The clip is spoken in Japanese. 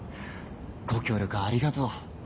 ご協力ありがとう。